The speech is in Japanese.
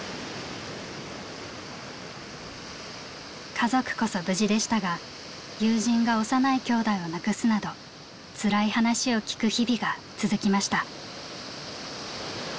家族こそ無事でしたが友人が幼いきょうだいを亡くすなどつらい話を聞く日々が続きました。